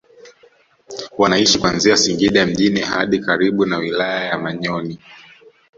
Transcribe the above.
Wanaishi kuanzia Singida mjini hadi karibu na wilaya ya Manyoni